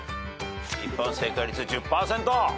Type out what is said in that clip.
一般正解率１０％。